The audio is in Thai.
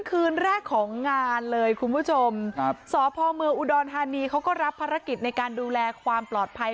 คืนแรกของงานเลยคุณผู้ชมครับสพเมืองอุดรธานีเขาก็รับภารกิจในการดูแลความปลอดภัย